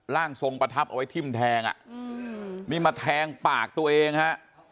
ร่างทรงประทับเอาไว้ทิ้มแทงอ่ะนี่มาแทงปากตัวเองฮะ